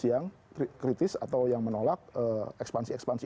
yang kritis atau yang menolak ekspansi ekspansi